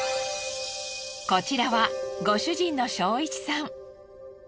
こちらはご主人の正一さん。